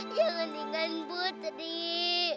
bunda nari jangan pergi